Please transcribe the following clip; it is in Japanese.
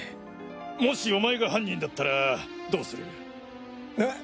もしお前が犯人だったらどうする？